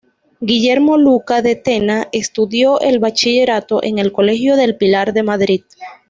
Guillermo Luca de Tena estudió el bachillerato en el Colegio del Pilar de Madrid.